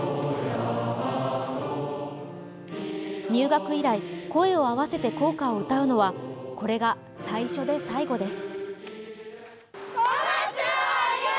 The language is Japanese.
入学以来、声を合わせて校歌を歌うのは、これが最初で最後です